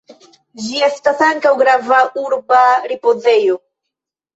Ĝi estas ankaŭ grava urba ripozejo.